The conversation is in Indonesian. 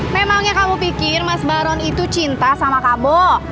memangnya kamu pikir mas baron itu cinta sama kamu